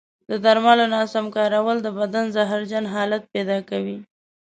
د درملو ناسم کارول د بدن زهرجن حالت پیدا کوي.